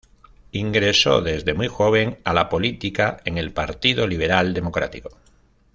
Ingresó desde muy joven a la política, en el Partido Liberal Democrático.